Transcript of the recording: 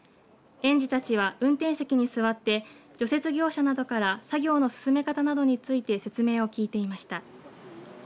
園児たちは、運転席に座って除雪業者などから作業の進め方などについて説明を聞いていました。